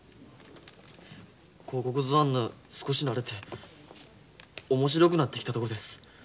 広告図案に少し慣れて面白くなってきたとこです。